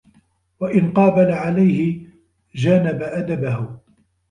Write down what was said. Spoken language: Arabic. وَإِنْ قَابَلَ عَلَيْهِ جَانَبَ أَدَبَهُ